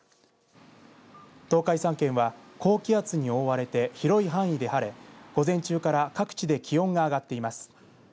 東海３県は高気圧に覆われて広い範囲で晴れ午前中から各地で気温が上がっています。